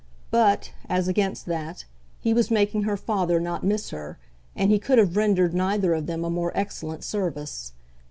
But, as against that, he was making her father not miss her, and he could have rendered neither of them a more excellent service.